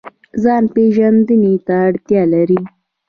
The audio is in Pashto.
ځان پیژندنې ته اړتیا لري